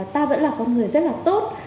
ta vẫn là con người rất là tốt